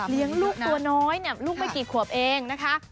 ลูกตัวน้อยลูกไม่กี่ขวบเองนะคะ